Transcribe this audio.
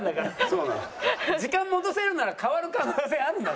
時間戻せるなら変わる可能性あるんだぞ。